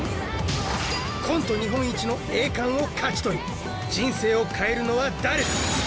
日本一の栄冠を勝ちとり人生を変えるのは誰だ？